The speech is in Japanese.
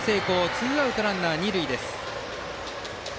ツーアウトランナー、二塁です。